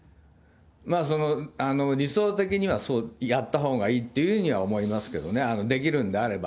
まあ、理想的にはやったほうがいいっていうふうには思いますけどね、できるんであれば。